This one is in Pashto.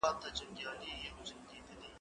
زه بايد زده کړه وکړم؟!